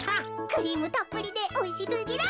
クリームたっぷりでおいしすぎる。